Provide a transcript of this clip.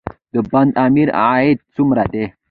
د بند امیر عاید څومره دی؟